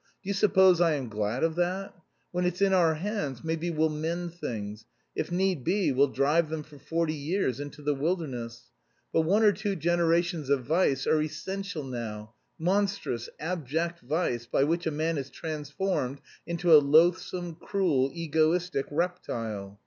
Do you suppose I am glad of that? When it's in our hands, maybe we'll mend things... if need be, we'll drive them for forty years into the wilderness.... But one or two generations of vice are essential now; monstrous, abject vice by which a man is transformed into a loathsome, cruel, egoistic reptile.